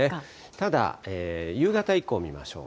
ただ、夕方以降見ましょう。